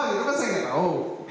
saya tidak tahu